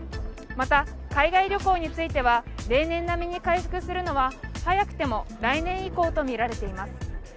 また、海外旅行については例年並みに回復するのは早くても来年以降とみられています。